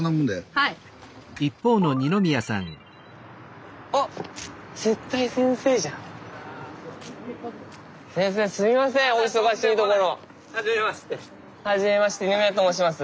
はじめまして二宮と申します。